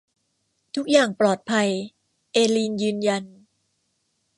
ทุกอย่างปลอดภัยเอลีนยืนยัน